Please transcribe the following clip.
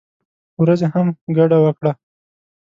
ورځې هم ګډه وکړه.